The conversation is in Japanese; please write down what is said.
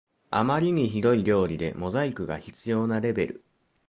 あまりにひどい料理でモザイクが必要なレベル